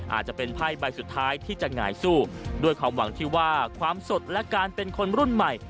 อาจจะเป็นไพ่ใบสุดท้ายที่จะหงายสู้ด้วยความหวังที่ว่าความสดและการเป็นคนรุ่นใหม่